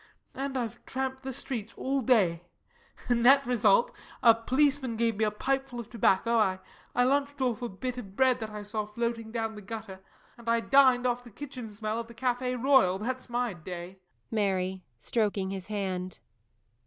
And I've tramped the streets all day. Net result, a policeman gave me a pipeful of tobacco, I lunched off a bit of bread that I saw floating down the gutter and I dined off the kitchen smell of the Café Royal. That's my day. MARY. [_Stroking his hand.